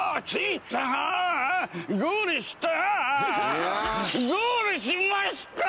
ゴールしました！